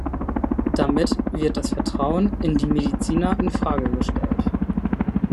Damit wird das Vertrauen in die Mediziner in Frage gestellt.